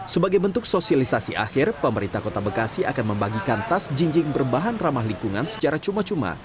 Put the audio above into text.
sebagai bentuk sosialisasi akhir pemerintah kota bekasi akan membagikan tas jinjing berbahan ramah lingkungan secara cuma cuma